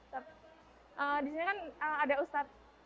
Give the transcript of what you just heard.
disini kan ada ustadz hani boni ustadz syairul ustadz syaikh